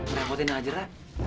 nah aku tinggal aja ra